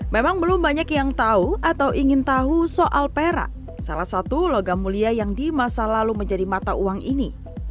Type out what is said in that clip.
memang belum banyak yang tahu atau ingin tahu soal perak salah satu logam mulia yang di masa lalu menjadi mata uang ini